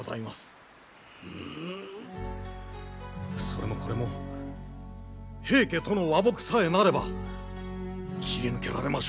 それもこれも平家との和睦さえなれば切り抜けられましょう。